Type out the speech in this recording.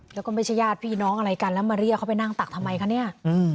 แล้วก็ไม่ใช่ญาติพี่น้องอะไรกันแล้วมาเรียกเขาไปนั่งตักทำไมคะเนี่ย